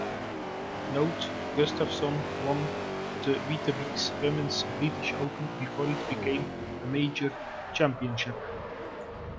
Note: Gustafson won the Weetabix Women's British Open before it became a major championship.